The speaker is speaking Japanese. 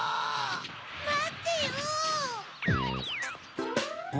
まってよ！